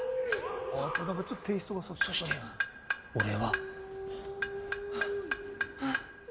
そして俺は。